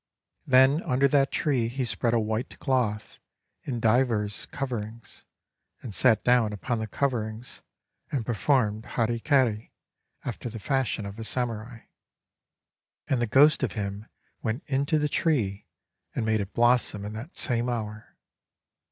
Then under that tree he spread a white cloth, and divers coverings, and sat down upon the coverings, and performed hara kiri after the fashion of a samurai. And the ghost of him went into the tree, and made it blossom in that same hour.